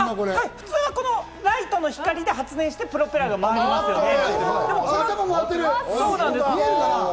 普通はライトの光で発電して、プロペラ回りますよね。